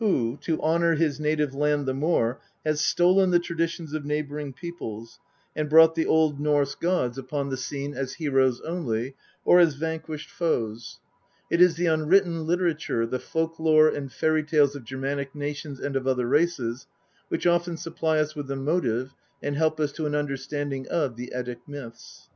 who, to honour his native land the more, has stolen the traditions of neighbouring peoples, and brought the Old Norse gods upon the w THE POETIC EDDA. scene as heroes only, or as vanquished foes. It is the unwritten literature, the folk lore and fairy tales of Germanic nations and of other races, which often supply us with the motive, and help us to an understanding of the Eddie myths.